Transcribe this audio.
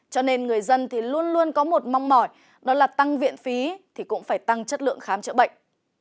cho nên người dân thì luôn luôn có một mong mỏi đó là tăng viện phí thì cũng phải tăng chất lượng khám chữa bệnh